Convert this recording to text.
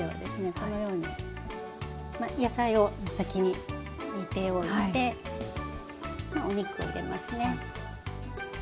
このように野菜を先に煮ておいてお肉を入れますね。